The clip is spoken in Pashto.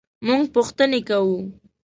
مونږ پوښتنې کوو